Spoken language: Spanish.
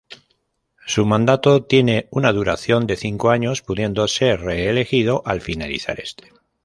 Su mandato tiene una duración de cinco años pudiendo ser reelegido al finalizar este.